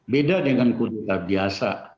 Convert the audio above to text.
beda dengan kudeta biasa